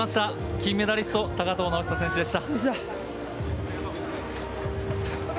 金メダリスト高藤直寿選手でした。